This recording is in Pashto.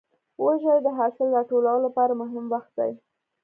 وږی د حاصل راټولو لپاره مهم وخت دی.